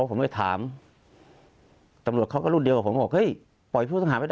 บอกให้แก๊งเงินกู้กลับ